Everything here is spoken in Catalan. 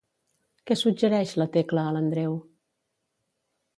Què suggereix la Tecla a l'Andreu?